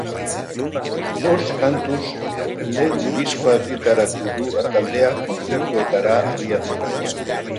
Bost kantuz lehen diskoa argitaratu du taldeak kontzertuetara abiatu nahian.